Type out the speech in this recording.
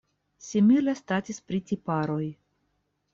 Simile statis pri tiparoj.